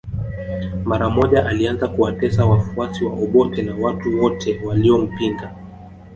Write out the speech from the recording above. Mara moja alianza kuwatesa wafuasi wa Obote na watu wote waliompinga